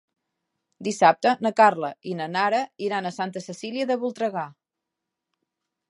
Dissabte na Carla i na Nara iran a Santa Cecília de Voltregà.